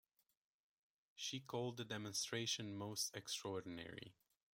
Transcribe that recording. She called the demonstration "most extraordinary".